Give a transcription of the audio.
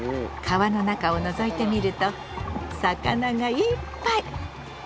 川の中をのぞいてみると魚がいっぱい！